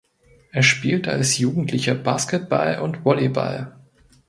Er spielte als Jugendlicher Basketball und Volleyball.